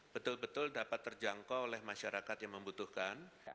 betul betul dapat terjangkau oleh masyarakat yang membutuhkan